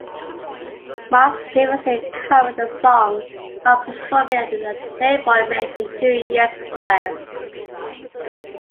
Mars previously covered the song while performing at the Playboy Mansion two years prior.